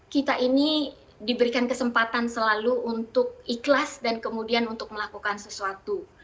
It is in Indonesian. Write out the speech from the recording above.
kita ini diberikan kesempatan selalu untuk ikhlas dan kemudian untuk melakukan sesuatu